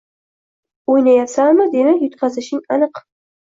Oʻynayapsanmi, demak yutqazishing aniq